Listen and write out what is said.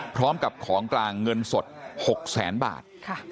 พร้อมกับของกลางเงินสด๖แสนบาท